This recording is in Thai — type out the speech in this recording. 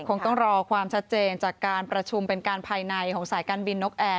คงต้องรอความชัดเจนจากการประชุมเป็นการภายในของสายการบินนกแอร์